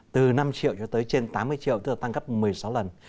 từ năm triệu cho tới trên tám mươi triệu tức là tăng gấp một mươi sáu lần